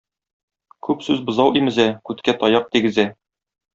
Күп сүз бозау имезә, күткә таяк тигезә.